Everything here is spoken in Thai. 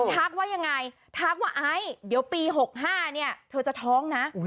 ทักว่ายังไงทักว่าไอซ์เดี๋ยวปี๖๕เนี่ยเธอจะท้องนะ